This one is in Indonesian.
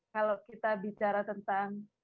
kalau kita bicara tentang